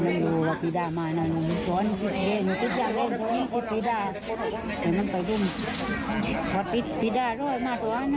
มาน่ะน้ำ